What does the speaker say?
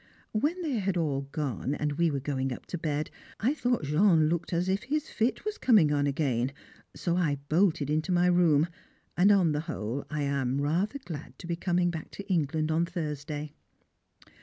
When they had all gone, and we were going up to bed, I thought Jean looked as if his fit was coming on again, so I bolted into my room; and on the whole I am rather glad to be coming back to England on Thursday.